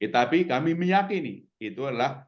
tapi kami meyakini itu adalah